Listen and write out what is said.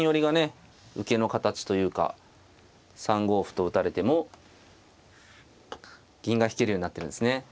受けの形というか３五歩と打たれても銀が引けるようになってるんですね。